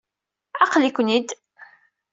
Aql-iken-id.